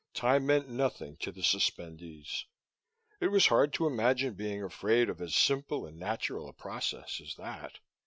Time meant nothing to the suspendees. It was hard to imagine being afraid of as simple and natural a process as that!